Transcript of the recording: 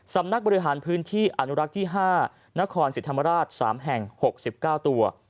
สำนักบริหารพื้นที่อนุรักษ์ที่๕นครสิทธิ์ธรรมราช๓แห่ง๖๙ตัว